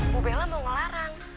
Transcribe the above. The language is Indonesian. bu bella mau ngelarang